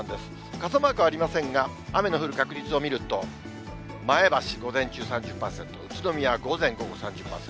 傘マークありませんが、雨の降る確率を見ると、前橋、午前中３０％、宇都宮、午前午後３０％。